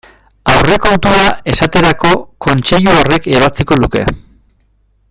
Aurrekontua, esaterako, Kontseilu horrek ebatziko luke.